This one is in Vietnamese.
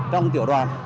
trong tiểu đoàn